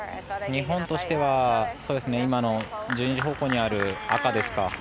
日本としては今の１２時方向にある赤ですか。